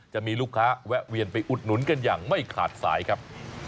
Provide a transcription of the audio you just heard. จะมีลูกค้าแวะเวียนไปอุดหนุนกันอย่างไม่ขาดสายครับ